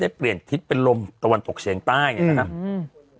ได้เปลี่ยนทิศเป็นลมตะวันตกเชียงใต้นะครับ